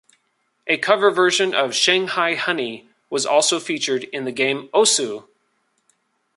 A cover version of "Shanghai Honey" was also featured in the game Osu!